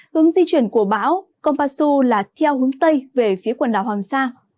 hướng di chuyển của bão kompasu là theo hướng tây về phía quần đảo hoàng sa